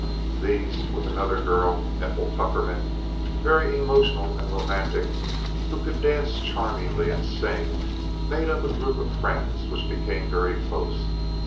These, with another girl, Ethel Tuckerman, very emotional and romantic, who could dance charmingly and sing, made up a group of friends which became very close.